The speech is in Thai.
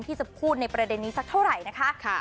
ที่จะพูดในประเด็นนี้สักเท่าไหร่นะคะ